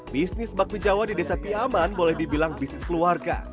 bisnis bakmi jawa di desa piaman boleh dibilang bisnis keluarga